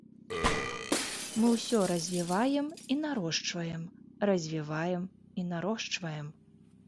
Мы ўсё развіваем і нарошчваем, развіваем і нарошчваем.